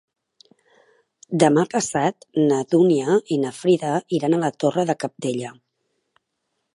Demà passat na Dúnia i na Frida iran a la Torre de Cabdella.